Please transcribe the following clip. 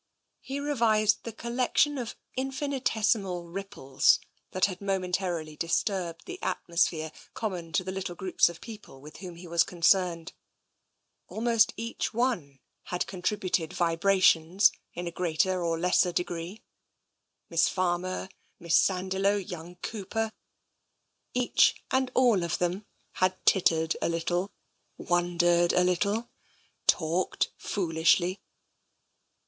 He revised the collection of infinitesimal ripples that had momentarily disturbed the atmosphere common to the little groups of people with whom he was concerned. Almost each one had contributed vibrations in a greater or lesser degree. Miss Farmer, Miss Sandiloe, young Cooper — each and all of them had tittered a little, wondered a little, talked foolishly.